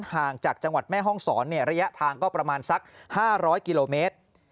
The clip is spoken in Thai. ห่างจากจังหวัดแม่ห้องศรระยะทางก็ประมาณสัก๕๐๐กิโลเมตร